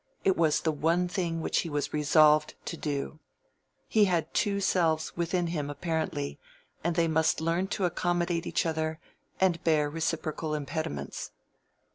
It was the one thing which he was resolved to do. He had two selves within him apparently, and they must learn to accommodate each other and bear reciprocal impediments.